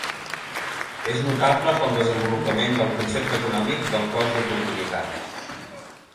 És notable pel desenvolupament del concepte econòmic del cost d'oportunitat.